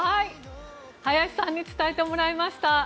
林さんに伝えてもらいました。